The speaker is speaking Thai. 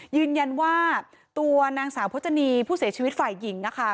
ยืนยันว่าตัวนางสาวพจนีผู้เสียชีวิตฝ่ายหญิงนะคะ